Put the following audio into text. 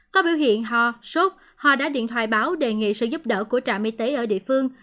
có biểu hiện ho sốt họ đã điện thoại báo đề nghị sự giúp đỡ của trạm y tế ở địa phương